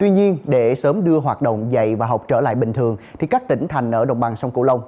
tuy nhiên để sớm đưa hoạt động dạy và học trở lại bình thường các tỉnh thành ở đồng bằng sông cửu long